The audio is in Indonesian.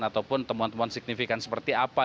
ataupun temuan temuan signifikan seperti apa